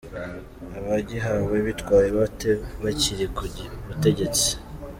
Abagihawe bitwaye bate bakiri ku butegetsi?.